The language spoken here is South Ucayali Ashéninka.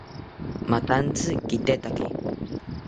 Mathantzi kitetaki